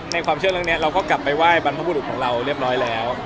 ความเชื่อเรื่องนี้เราก็กลับไปไหว้บรรพบุรุษของเราเรียบร้อยแล้ว